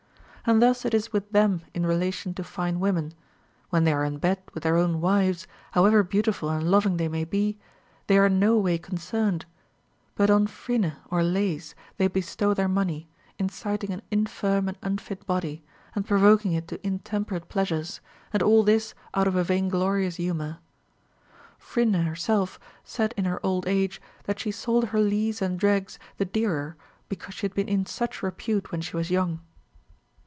And thus it is with them in relation to fine women ; when they are in bed with their ΟΛνη wives, however beautiful and loving they may be, they are no Avay concerned ; but on Phryne or Lais they bestow their money, inciting an infirm and unfit body, and pro voking it to intemperate pleasures, and all this out of a vain glorious humor. Phryne herself said in her old age, that she sold her lees and dregs the dearer because she had been in such repute when she was young.